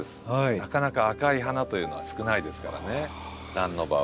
なかなか赤い花というのは少ないですからねランの場合。